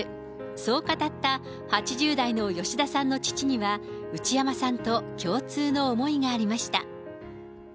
そう語った８０代の吉田さんの父には、内山さんと共通の思いがありました。